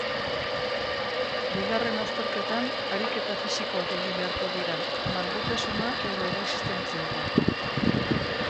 Bigarren azterketan ariketa fisikoak egin beharko dira, malgutasuna edo erresistentziakoak.